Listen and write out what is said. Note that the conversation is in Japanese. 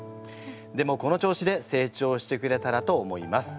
でもこの調子で成長してくれたらと思います。